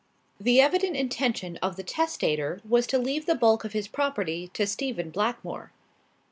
The evident intention of the testator was to leave the bulk of his property to Stephen Blackmore.